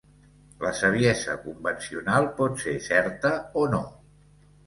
La saviesa convencional pot ser certa o no.